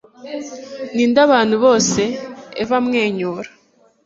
Ninde abantu bose »Eva amwenyura